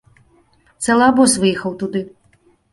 Цэлы абоз выехаў туды.